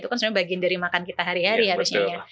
itu kan sebenarnya bagian dari makan kita hari hari harusnya ya